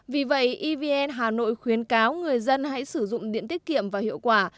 vì vậy evn hà nội khuyến cáo người dân hãy sử dụng điện tiết kiệm và hiệu quả